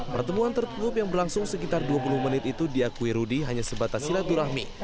pertemuan tertutup yang berlangsung sekitar dua puluh menit itu diakui rudy hanya sebatas silaturahmi